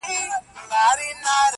جانان چې مې يو ځاې چرته رقيب سره راځي